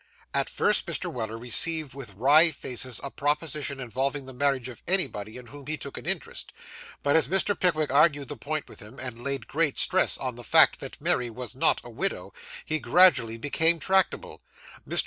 At first, Mr. Weller received with wry faces a proposition involving the marriage of anybody in whom he took an interest; but, as Mr. Pickwick argued the point with him, and laid great stress on the fact that Mary was not a widow, he gradually became more tractable. Mr.